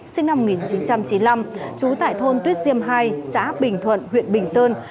sinh năm một nghìn chín trăm chín mươi năm trú tại thôn tuyết diêm hai xã bình thuận huyện bình sơn